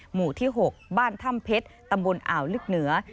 หมู่ที่๖บ้านถ้ำเพชรตำบลอ่าวลึกเหนือ